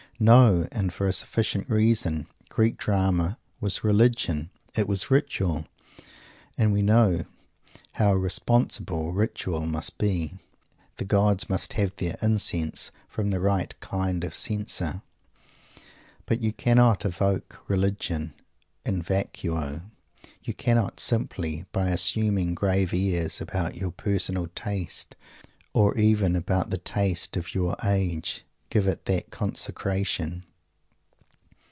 No! And for a sufficient reason. Greek Drama was Religion. It was Ritual. And we know how "responsible" ritual must be. The gods must have their incense from the right kind of censer. But you cannot evoke Religion "in vacuo." You cannot, simply by assuming grave airs about your personal "taste," or even about the "taste" of your age, give it _that consecration.